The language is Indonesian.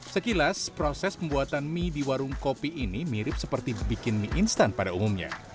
sekilas proses pembuatan mie di warung kopi ini mirip seperti bikin mie instan pada umumnya